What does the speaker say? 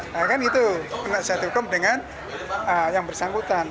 nah kan itu penasihat hukum dengan yang bersangkutan